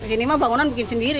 ini mah bangunan bikin sendiri